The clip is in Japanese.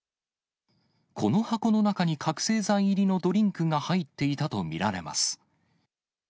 この箱の中に覚醒剤入りのドリンクが入っていたと見られます。